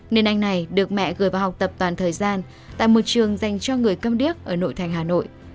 nên anh này được mẹ gửi vào học tập toàn thời gian tại một trường dành cho người cầm điếc ở nội thành hà nội